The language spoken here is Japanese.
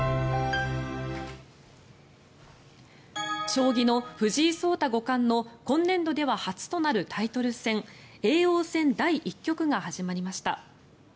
将棋の藤井聡太五冠の今年度では初となるタイトル戦叡王戦第１局が始まりました。